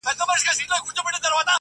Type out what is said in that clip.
نیکه لمیسو ته نکلونه د جنګونو کوي-